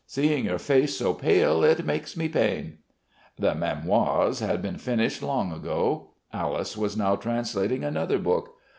seeing your face so pale it makes me pain." The Mémoires had been finished long ago; Alice was now translating another book.